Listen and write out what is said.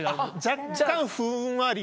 若干ふんわり。